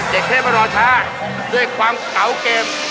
เทพมารอช้าด้วยความเก๋าเกม